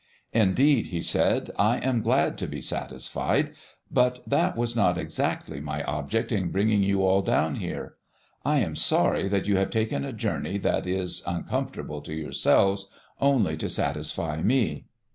"Indeed," he said, "I am glad to be satisfied, but that was not exactly my object in bringing you all down here. I am sorry that you have taken a journey that is uncomfortable to yourselves only to satisfy me."